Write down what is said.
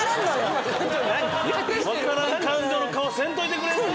今分からん感情の顔せんといてくれる？